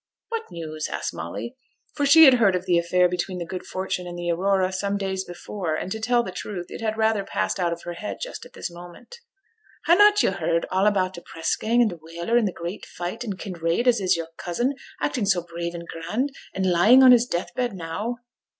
'What news?' asked Molly, for she had heard of the affair between the Good Fortune and the Aurora some days before; and, to tell the truth, it had rather passed out of her head just at this moment. 'Hannot yo' heard all about t' press gang and t' whaler, and t' great fight, and Kinraid, as is your cousin, acting so brave and grand, and lying on his death bed now?'